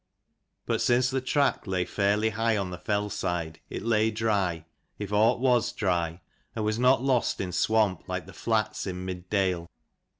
But since the track lay fairly high on the fell side it lay dry, if aught was dry, and was not lost in swamp like the flats in middale.